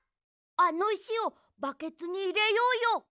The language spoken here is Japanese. あのいしをバケツにいれようよ。